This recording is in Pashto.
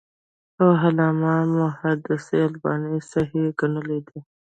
او علامه محدِّث الباني صحيح ګڼلی دی .